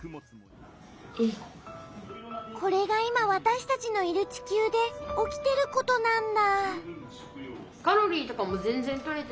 これが今わたしたちのいる地球で起きてることなんだ。